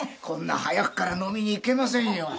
こんな早くから飲みに行けませんよ。